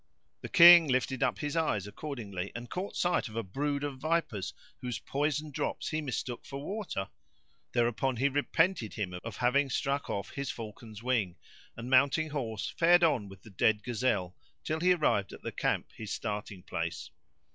The King lifted up his eyes accordingly and caught sight of a brood of vipers, whose poison drops he mistook for water; thereupon he repented him of having struck off his falcon's wing, and mounting horse, fared on with the dead gazelle, till he arrived at the camp, his starting place.